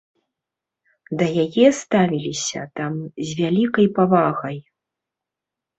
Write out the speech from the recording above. Да яе ставіліся там з вялікай павагай.